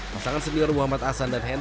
pasangan senior muhammad hasan dan hennessey